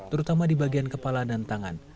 terutama di bagian kepala dan tangan